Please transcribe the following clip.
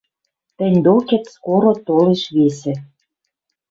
Тӹнь докет скоро толеш весӹ